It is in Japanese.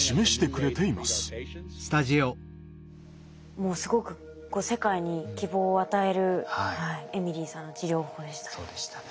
もうすごく世界に希望を与えるエミリーさんの治療法でしたね。